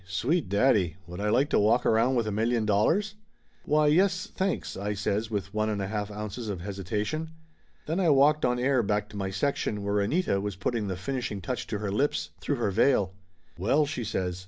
Sweet daddy! Would I like to walk around with a million dollars! "Why, yes, thanks," I says with one and one half ounces of hesitation. Then I walked on air back to my section, where Anita was putting the finishing touch to her lips, through her veil. "Well!" she says.